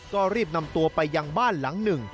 ก็รีบนำตัวไปยังบ้านหลังหนึ่ง